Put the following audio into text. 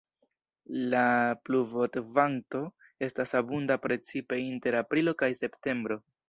La pluvokvanto estas abunda precipe inter aprilo kaj septembro.